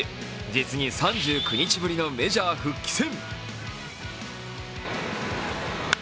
実に３９日ぶりのメジャー復帰戦。